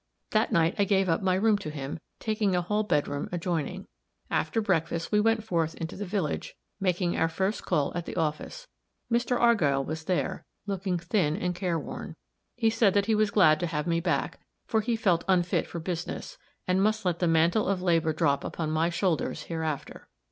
That night I gave up my room to him, taking a hall bedroom adjoining. After breakfast we went forth into the village, making our first call at the office. Mr. Argyll was there, looking thin and care worn. He said that he was glad to have me back, for he felt unfit for business, and must let the mantle of labor drop upon my shoulders hereafter.